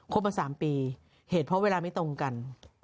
มา๓ปีเหตุเพราะเวลาไม่ตรงกัน